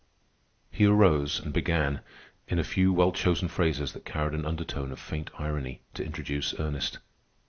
He arose and began, in a few well chosen phrases that carried an undertone of faint irony, to introduce Ernest.